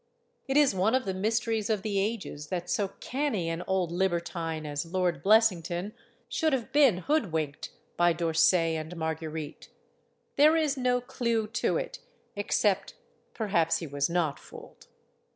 It is one of the mysteries of the ages that so canny an old libertine as Lord Blessington should have been hood winked by D'Orsay and Marguerite. There is no clew to it, except perhaps he was not fooled.